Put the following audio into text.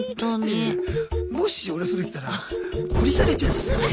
いやいやもし俺それきたら掘り下げちゃいますよ。